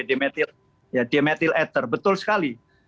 di dme di demethyl ether betul sekali